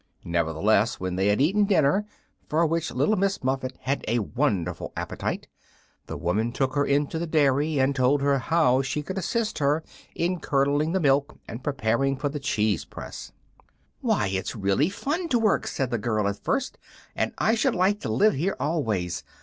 Nevertheless, when they had eaten dinner, for which Little Miss Muffet had a wonderful appetite, the woman took her into the dairy and told her how she could assist her in curdling the milk and preparing it for the cheese press. "Why, it's really fun to work," said the girl, at first, "and I should like to live here always.